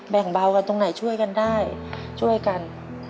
แบ่งเบากันตรงไหนช่วยกันได้ช่วยกัน